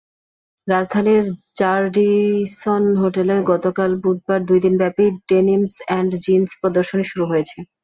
রাজধানীর র্যাডিসন হোটেলে গতকাল বুধবার দুই দিনব্যাপী ডেনিমস অ্যান্ড জিনস প্রদর্শনী শুরু হয়েছে।